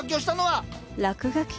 落書き？